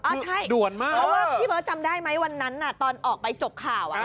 เพราะว่าพี่เบิร์ตจำได้ไหมวันนั้นตอนออกไปจบข่าว